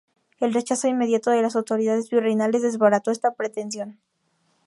El rechazo inmediato de las autoridades virreinales desbarató esta pretensión.